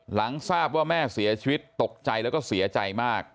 หลังทราบว่าแม่เสียชีวิตตกใจแล้วก็เสียใจมาก